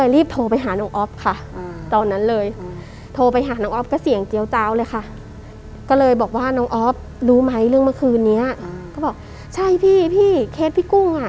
เรื่องเมื่อคืนนี้ก็บอกใช่พี่พี่เคสพี่กุ้งอ่ะ